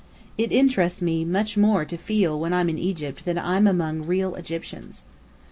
It interests me much more to feel when I'm in Egypt that I'm among real Egyptians."